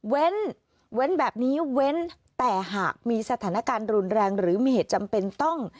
เว้นแบบนี้เว้นแต่หากมีสถานการณ์รุนแรงหรือมีเหตุจำเป็นต้อง